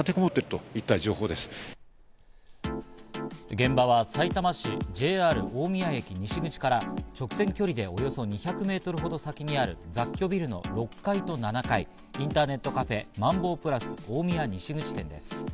現場はさいたま市、ＪＲ大宮駅西口から直線距離でおよそ２００ｍほど先にある雑居ビルの６階と７階、インターネットカフェマンボープラス大宮西口店です。